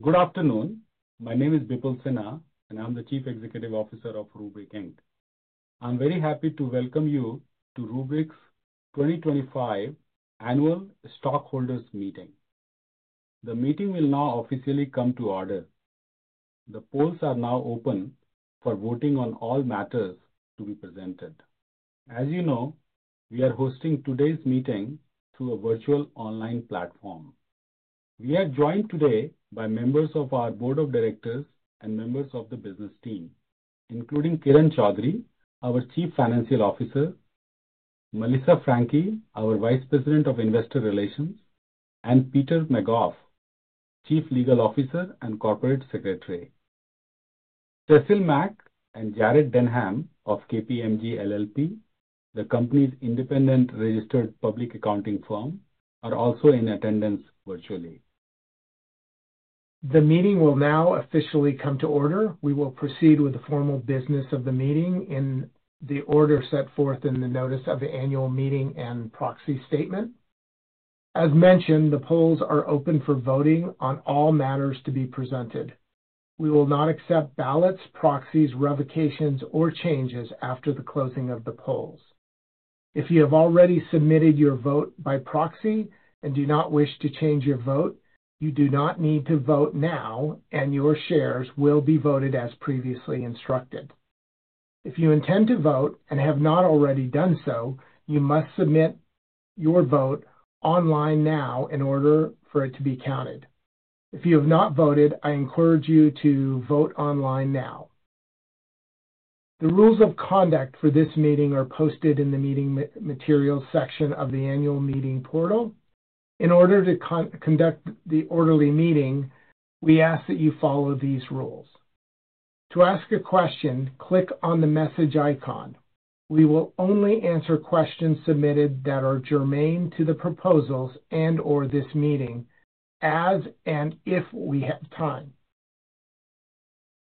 Good afternoon. My name is Bipul Sinha, and I'm the Chief Executive Officer of Rubrik. I'm very happy to welcome you to Rubrik's 2025 Annual Stockholders' Meeting. The meeting will now officially come to order. The polls are now open for voting on all matters to be presented. As you know, we are hosting today's meeting through a virtual online platform. We are joined today by members of our Board of Directors and members of the business team, including Kiran Choudary, our Chief Financial Officer, Melissa Franchi, our Vice President of Investor Relations, and Peter McGoff, Chief Legal Officer and Corporate Secretary. Cecil Mak and Jared Denham of KPMG LLP, the company's independent registered public accounting firm, are also in attendance virtually. The meeting will now officially come to order. We will proceed with the formal business of the meeting in the order set forth in the Notice of the Annual Meeting and Proxy Statement. As mentioned, the polls are open for voting on all matters to be presented. We will not accept ballots, proxies, revocations, or changes after the closing of the polls. If you have already submitted your vote by proxy and do not wish to change your vote, you do not need to vote now, and your shares will be voted as previously instructed. If you intend to vote and have not already done so, you must submit your vote online now in order for it to be counted. If you have not voted, I encourage you to vote online now. The rules of conduct for this meeting are posted in the Meeting Materials section of the Annual Meeting portal. In order to conduct the orderly meeting, we ask that you follow these rules. To ask a question, click on the message icon. We will only answer questions submitted that are germane to the proposals and/or this meeting as and if we have time.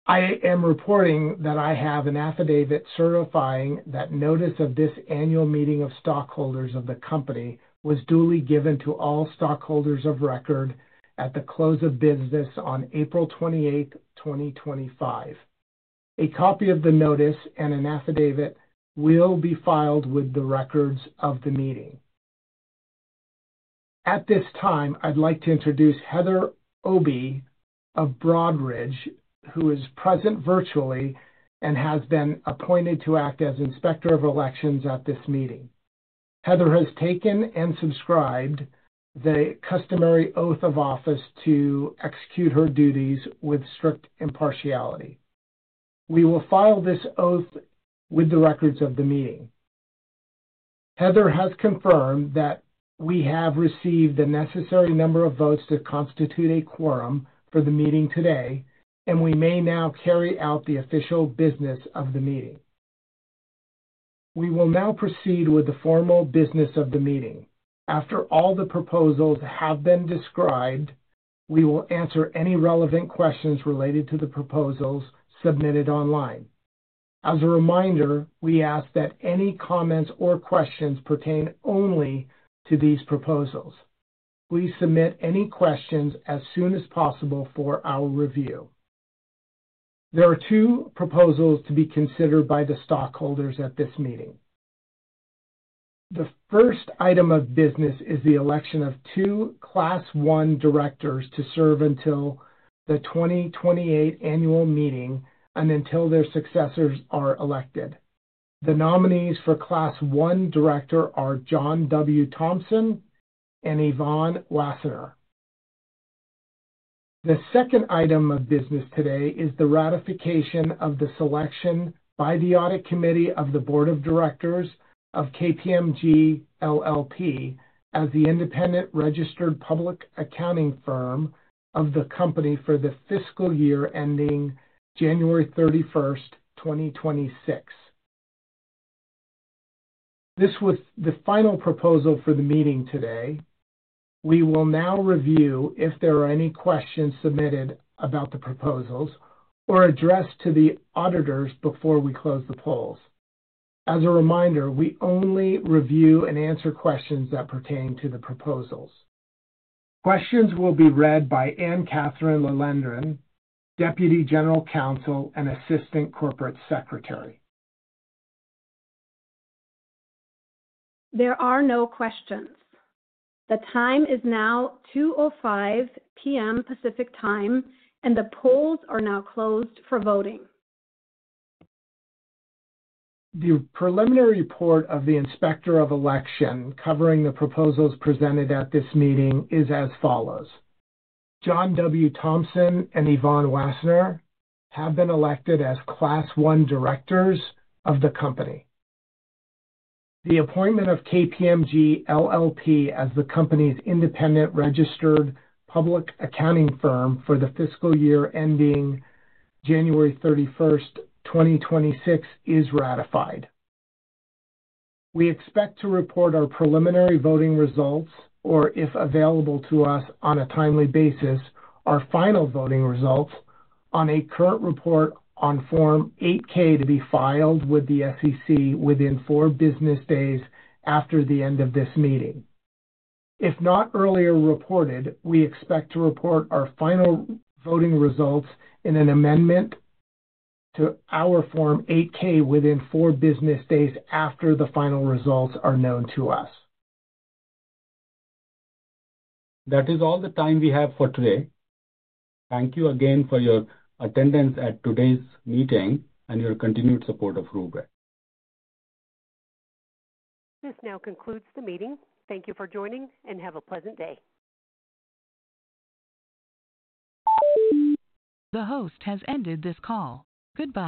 I am reporting that I have an affidavit certifying that Notice of this Annual Meeting of Stockholders of the Company was duly given to all stockholders of record at the close of business on April 28th, 2025. A copy of the notice and an affidavit will be filed with the records of the meeting. At this time, I'd like to introduce Heather Obi of Broadridge, who is present virtually and has been appointed to act as Inspector of Elections at this meeting. Heather has taken and subscribed the customary oath of office to execute her duties with strict impartiality. We will file this oath with the records of the meeting. Heather has confirmed that we have received the necessary number of votes to constitute a quorum for the meeting today, and we may now carry out the official business of the meeting. We will now proceed with the formal business of the meeting. After all the proposals have been described, we will answer any relevant questions related to the proposals submitted online. As a reminder, we ask that any comments or questions pertain only to these proposals. Please submit any questions as soon as possible for our review. There are two proposals to be considered by the stockholders at this meeting. The first item of business is the election of two Class 1 directors to serve until the 2028 Annual Meeting and until their successors are elected. The nominees for Class 1 director are John W. Thompson and Yvonne Wassenaar. The second item of business today is the ratification of the selection by the Audit Committee of the Board of Directors of KPMG LLP as the independent registered public accounting firm of the company for the fiscal year ending January 31st, 2026. This was the final proposal for the meeting today. We will now review if there are any questions submitted about the proposals or addressed to the auditors before we close the polls. As a reminder, we only review and answer questions that pertain to the proposals. Questions will be read by Anne-Kathrin Lalendran, Deputy General Counsel and Assistant Corporate Secretary. There are no questions. The time is now 2:05 P.M. Pacific Time, and the polls are now closed for voting. The preliminary report of the Inspector of Election covering the proposals presented at this meeting is as follows. John W. Thompson and Yvonne Wassenaar have been elected as Class 1 directors of the company. The appointment of KPMG LLP as the company's independent registered public accounting firm for the fiscal year ending January 31st, 2026, is ratified. We expect to report our preliminary voting results or, if available to us on a timely basis, our final voting results on a current report on Form 8-K to be filed with the SEC within four business days after the end of this meeting. If not earlier reported, we expect to report our final voting results in an amendment to our Form 8-K within four business days after the final results are known to us. That is all the time we have for today. Thank you again for your attendance at today's meeting and your continued support of Rubrik. This now concludes the meeting. Thank you for joining, and have a pleasant day. The host has ended this call. Goodbye.